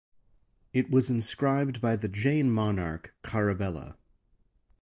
It was inscribed by the Jain monarch Kharavela.